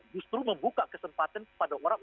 justru membuka kesempatan kepada orang